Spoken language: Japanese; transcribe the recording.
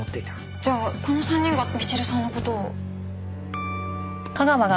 じゃあこの３人がみちるさんの事を？